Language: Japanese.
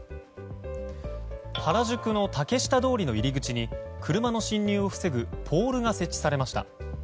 原宿の竹下通りの入り口に車の進入を防ぐポールが設置されました。